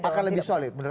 akan lebih solid